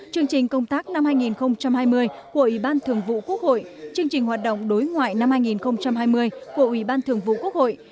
chương trình công tác năm hai nghìn hai mươi của ủy ban thường vụ quốc hội chương trình hoạt động đối ngoại năm hai nghìn hai mươi của ủy ban thường vụ quốc hội